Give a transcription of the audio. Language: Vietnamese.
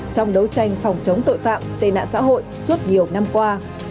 trong đấu tranh phòng chống tội phạm tệ nạn xã hội suốt nhiều năm qua